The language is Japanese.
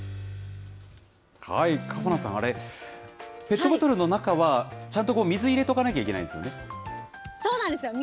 かほなんさん、あれ、ペットボトルの中は、ちゃんと水入れとかなきゃいけないんですよね。